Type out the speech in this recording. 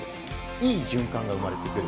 いい循環が生まれてくる。